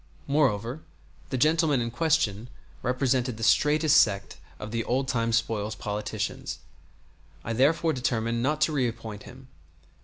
Moreover, the gentleman in question represented the straitest sect of the old time spoils politicians. I therefore determined not to reappoint him.